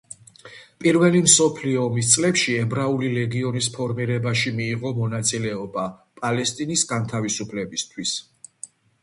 პირველი მსოფლიო ომის წლებში ებრაული ლეგიონის ფორმირებაში მიიღო მონაწილება პალესტინის განთავისუფლებისთვის.